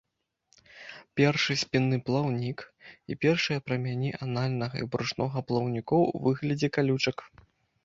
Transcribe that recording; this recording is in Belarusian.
Першы спінны плаўнік і першыя прамяні анальнага і брушнога плаўнікоў у выглядзе калючак.